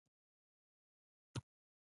دوی موږ ته اسلام راښيي خو پخپله عمل نه کوي